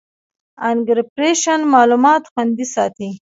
انکریپشن معلومات خوندي ساتي.